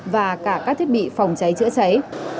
và cả các thiết bị phòng cháy chữa cháy